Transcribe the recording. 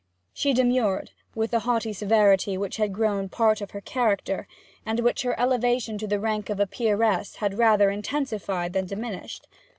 She demurred, with the haughty severity which had grown part of her character, and which her elevation to the rank of a peeress had rather intensified than diminished.